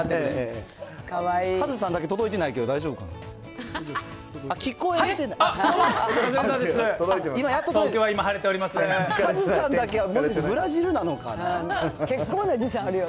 カズさんだけ届いてないけど大丈夫かな。